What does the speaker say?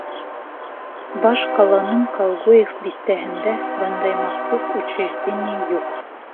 Баш ҡаланың Колгуев биҫтәһендә бындай махсус учреждение юҡ.